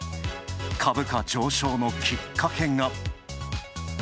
株価上昇のきっかけが。